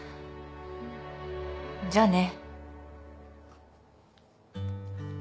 じゃあね。